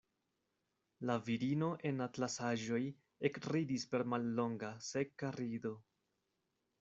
La virino en atlasaĵoj ekridis per mallonga, seka rido.